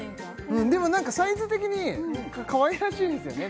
うんでも何かサイズ的にかわいらしいですよね